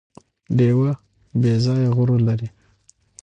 ډیوه بې ځايه غرور لري